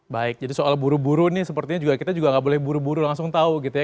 baik jadi soal buru buru nih sepertinya kita juga nggak boleh buru buru langsung tahu gitu ya